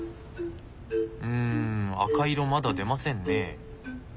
うん赤い色まだ出ませんね。